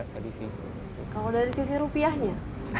kalau dari sisi rupiahnya